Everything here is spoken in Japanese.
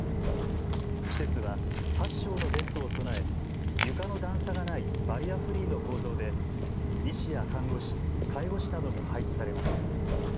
施設は８床のベッドを備え床の段差がないバリアフリーの構造で医師や看護師、介護士なども配置されます。